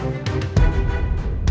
ibu mau pilih